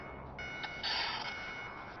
전직대통령의 신분과 예우에 관하여는 법률로 정한다.